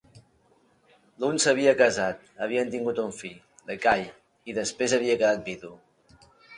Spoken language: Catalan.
L'un s'havia casat, havien tingut un fill, l'Ekahi, i després havia quedat vidu.